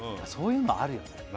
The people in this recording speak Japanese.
そういうのあるよね